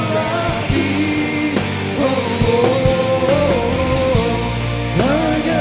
bahagia kan datang